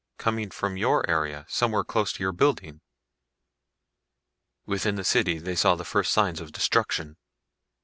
Coming from your area, somewhere close to your building." Within the city they saw the first signs of destruction.